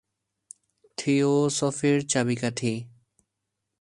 থিওসফির চাবিকাঠি.